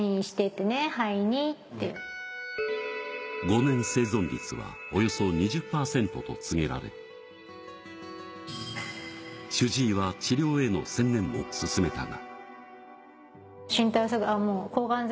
５年生存率はおよそ２０％と告げられ、主治医は治療への専念もすすめたが。